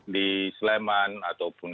di sleman ataupun